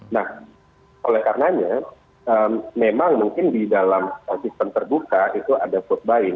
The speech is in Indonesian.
nah oleh karenanya memang mungkin di dalam sistem terbuka itu ada food buying